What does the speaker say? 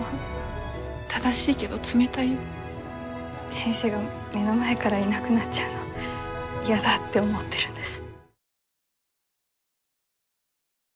先生が目の前からいなくなっちゃうのやだって思ってるんです。